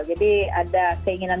jadi ada keinginan